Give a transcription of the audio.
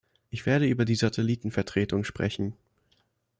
Ich werde über die Satellitenvertretungen sprechen.